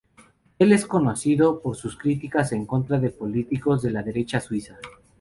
Él es conocido por sus críticas en contra de políticos de la derecha suiza.